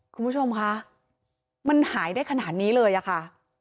คุณผู้ชมคะมันหายได้ขนาดนี้เลยอะค่ะ